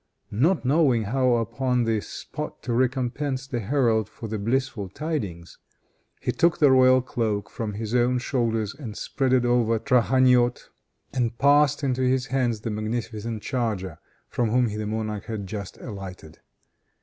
Not knowing how upon the spot to recompense the herald for the blissful tidings, he took the royal cloak from his own shoulders and spread it over Trakhaniot, and passed into his hands the magnificent charger from which the monarch had just alighted.